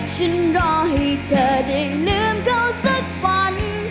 ฉันรอให้เธอได้ลืมเธอสักวัน